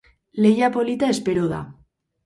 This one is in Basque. Lehia polita epero da.